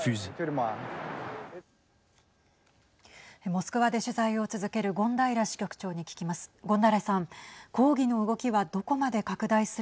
モスクワで取材を続ける権平支局長に聞きます。